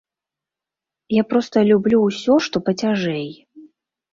Я проста люблю ўсё, што пацяжэй.